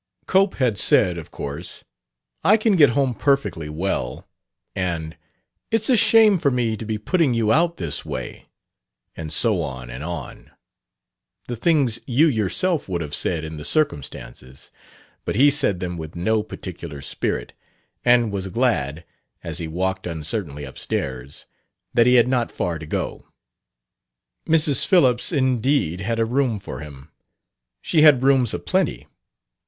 Cope had said, of course, "I can get home perfectly well," and, "It's a shame for me to be putting you out this way," and so on and on, the things you yourself would have said in the circumstances; but he said them with no particular spirit, and was glad, as he walked uncertainly up stairs, that he had not far to go. Mrs. Phillips indeed "had a room for him." She had rooms a plenty.